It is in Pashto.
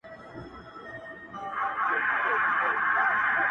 د سيندد غاړي ناسته ډېره سوله ځو به كه نــه.